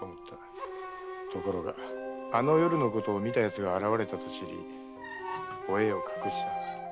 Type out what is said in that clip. ところがあの夜のことを見た奴が現れたと知りお栄を隠した。